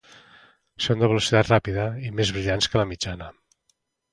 Són de velocitat ràpida i més brillants que la mitjana